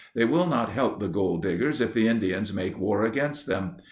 They will not help the gold diggers if the Indians make war against them.